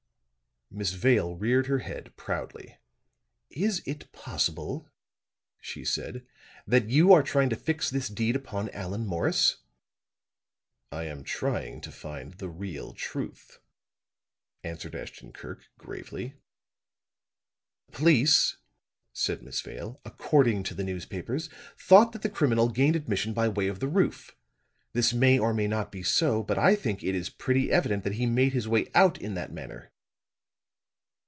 Miss Vale reared her head proudly. "Is it possible," she said, "that you are trying to fix this deed upon Allan Morris?" "I am trying to find the real truth," answered Ashton Kirk, gravely. "The police," said Miss Vale, "according to the newspapers, thought that the criminal gained admission by way of the roof. This may or may not be so; but I think it is pretty evident that he made his way out in that manner.